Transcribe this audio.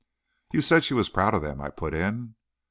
"You said she was proud of them," I put in.